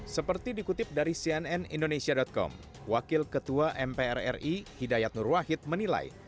seperti dikutip dari cnn indonesia com wakil ketua mprri hidayat nurwahid menilai